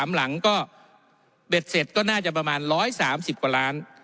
หลังก็เบ็ดเสร็จก็น่าจะประมาณ๑๓๐กว่าล้าน